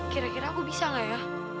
kira kira aku bisa gak ya